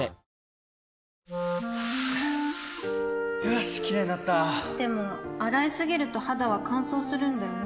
よしキレイになったでも、洗いすぎると肌は乾燥するんだよね